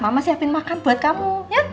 mama siapin makan buat kamu